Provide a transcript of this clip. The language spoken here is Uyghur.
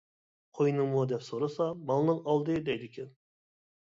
قوينىڭمۇ دەپ سورىسا، مالنىڭ ئالدى دەيدىكەن.